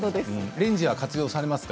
レンジは活用されますか？